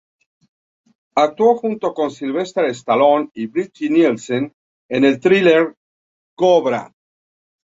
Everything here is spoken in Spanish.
Actuó junto a Sylvester Stallone y Brigitte Nielsen en el thriller "Cobra".